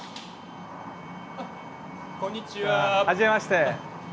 はじめまして。